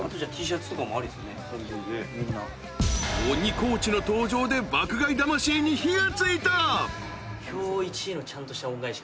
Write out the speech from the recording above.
［鬼コーチの登場で爆買い魂に火が付いた］